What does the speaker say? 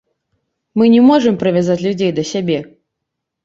Мы не можам прывязаць людзей да сябе.